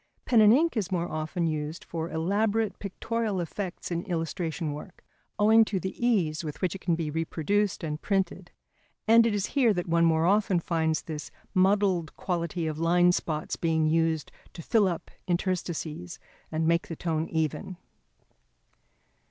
Pen and ink is more often used for elaborate pictorial effects in illustration work, owing to the ease with which it can be reproduced and printed; and it is here that one more often finds this muddled quality of line spots being used to fill up interstices and make the tone even.